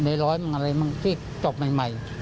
ในร้อยมั่งอะไรมั่งที่จบใหม่